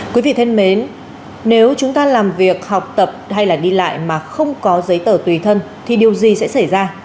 quý vị thân mến nếu chúng ta làm việc học tập hay đi lại mà không có giấy tờ tùy thân thì điều gì sẽ xảy ra